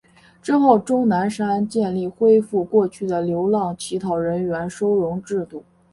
之后钟南山建议恢复过去的流浪乞讨人员收容制度。